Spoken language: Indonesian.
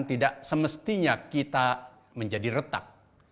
tidak semestinya kita menjadi retak